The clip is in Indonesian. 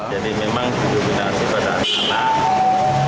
jadi memang didominasi pada anak anak